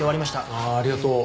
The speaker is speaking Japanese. ありがとう。